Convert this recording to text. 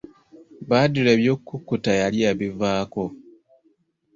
Badru eby'okukutta yali yabivaako.